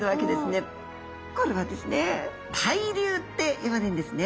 これはですね対流っていわれるんですね。